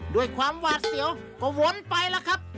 ด้วยความหวาดเสียวก็วนไปแล้วครับ